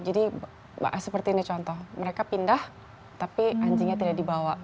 jadi seperti ini contoh mereka pindah tapi anjingnya tidak dibawa